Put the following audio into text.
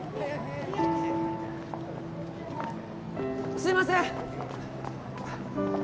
すいません！